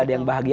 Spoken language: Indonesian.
ada yang bahagia